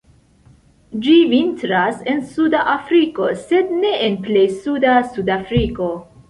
Ĝi vintras en Suda Afriko, sed ne en plej suda Sudafriko.